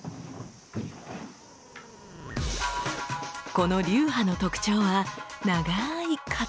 この流派の特徴は長い型。